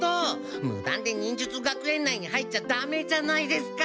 無断で忍術学園内に入っちゃダメじゃないですか！